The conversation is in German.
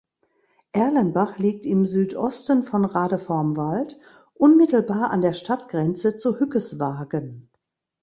Erlenbach liegt im Südosten von Radevormwald unmittelbar an der Stadtgrenze zu Hückeswagen.